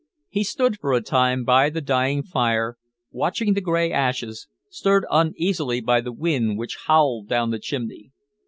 He stood for a time by the dying fire, watching the grey ashes, stirred uneasily by the wind which howled down the chimney.